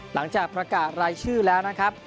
หลังจากประกาศรายชื่อแล้วนะครับ